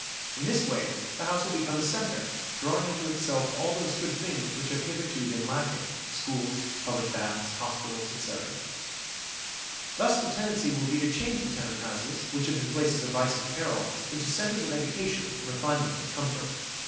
In this way the house will become a centre, drawing unto itself all those good things which have hitherto been lacking: schools, public baths, hospitals, etc. Thus the tendency will be to change the tenement houses, which have been places of vice and peril, into centres of education, of refinement, of comfort.